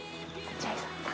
ジェイソンさん。